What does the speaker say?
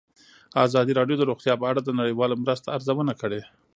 ازادي راډیو د روغتیا په اړه د نړیوالو مرستو ارزونه کړې.